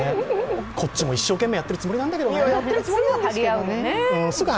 こっちも一生懸命やってるつもりなんだけどなぁ。